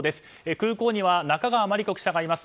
空港には中川真理子記者がいます。